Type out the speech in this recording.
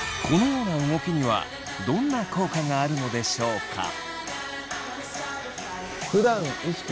このような動きにはどんな効果があるのでしょうか？